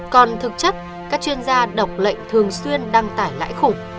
còn thực chất các chuyên gia độc lệnh thường xuyên đăng tải lãi khủng